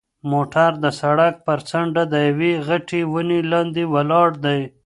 موټر د سړک پر څنډه د یوې غټې ونې لاندې ولاړ دی.